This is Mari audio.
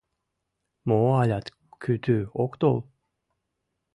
— Мо алят кӱтӱ ок тол?